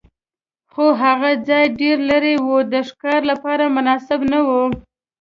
خو هغه ځای ډېر لرې و، د ښکار لپاره مناسب نه و.